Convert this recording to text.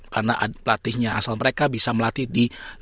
karena pelatihnya asal mereka bisa melatih di tottenham